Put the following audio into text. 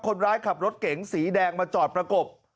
คนขับรถเก๋งสีแดงมาจอดประกบ